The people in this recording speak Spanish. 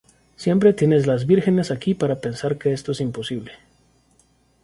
Siempre tienes las vírgenes aquí para pensar que esto es imposible.